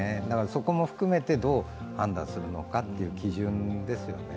そこも含めて、どう判断するのかという基準ですよね。